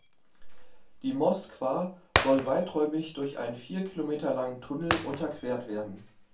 Die Moskwa soll weiträumig durch einen vier Kilometer langen Tunnel unterquert werden.